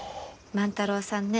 万太郎さんね